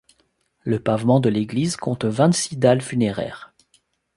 Le pavement de l'église compte vingt-six dalles funéraires.